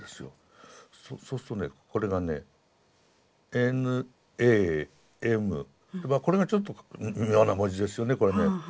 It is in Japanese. そうするとねこれがね「Ｎ」「Ａ」「Ｍ」まあこれがちょっと妙な文字ですよねこれね。